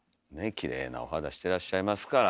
きれいなお肌してらっしゃいますから。